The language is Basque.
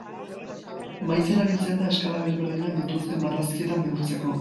Maiz erabiltzen da eskala desberdinak dituzten marrazkietan neurtzeko.